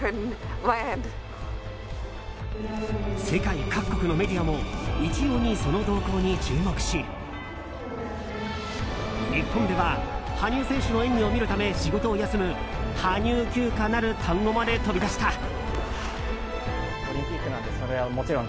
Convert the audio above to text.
世界各国のメディアも一様にその動向に注目し日本では、羽生選手の演技を見るため仕事を休む羽生休暇なる単語まで飛び出した。